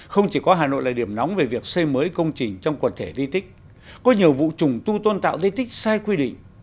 không chỉ có hà nội là điểm nóng về việc xây mới công trình trong quần thể di tích có nhiều vụ trùng tu tôn tạo di tích sai quy định